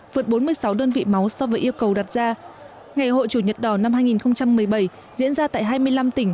vượt bốn mươi sáu đơn vị máu so với yêu cầu đặt ra ngày hội chủ nhật đỏ năm hai nghìn một mươi bảy diễn ra tại hai mươi năm tỉnh